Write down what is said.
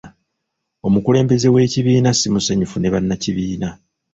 Omukulembeze w'ekibiina simusanyufu ne bannakibiina.